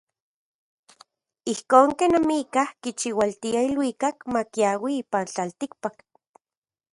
Ijkon ken amikaj kichiualtia iluikak makiaui ipan tlatikpak.